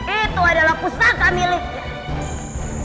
itu adalah pusaka miliknya